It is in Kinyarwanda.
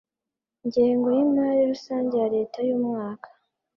ngengo y imari rusange ya Leta y umwaka